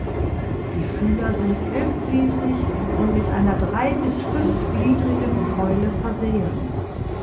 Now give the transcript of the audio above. Die Fühler sind elfgliedrig und mit einer drei- bis fünfgliedrigen Keule versehen.